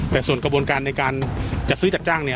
แต่ส่วนกระบวนการในการจัดซื้อจัดจ้างเนี่ย